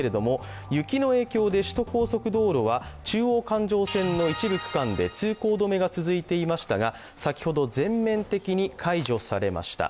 雪の影響で首都高速道路は中央環状線の一部区間で通行止めが続いていましたが先ほど全面的に解除されました。